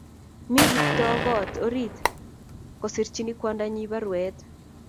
Mi Kiptoo koot orit kosirchini kwondonyin baruet